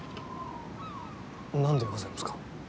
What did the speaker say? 何でございますか。